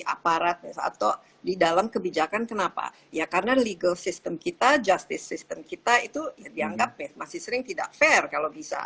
aparat atau di dalam kebijakan kenapa ya karena legal system kita justice system kita itu dianggap masih sering tidak fair kalau bisa